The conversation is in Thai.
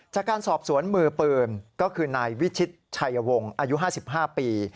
จากการสอบสวนมือปืนก็คือนายวิชิตชัยวงศ์อายุ๕๕ปี